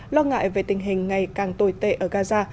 lo ngại về tình hình ngày càng tồi tệ ở gaza